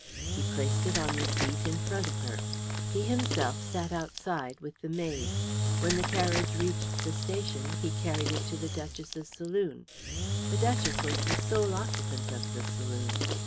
He placed it on the seat in front of her. He himself sat outside with the maid. When the carriage reached the station he carried it to the duchess's saloon. The duchess was the sole occupant of the saloon.